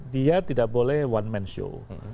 dia tidak boleh one man show